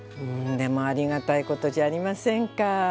でもありがたいことじゃありませんか。